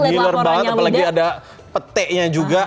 ngiler banget apalagi ada peteknya juga